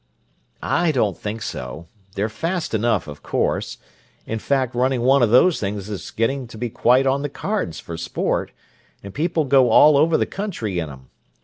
"I don't think so. They're fast enough, of course. In fact, running one of those things is getting to be quite on the cards for sport, and people go all over the country in 'em.